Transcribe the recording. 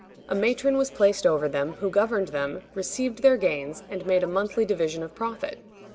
A matron was placed over them, who governed them, received their gains, and made a monthly division of profit.